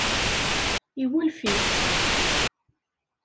Iwulef-itt.